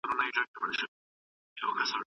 ایا په کابل کي سیاسي څېړني کيږي؟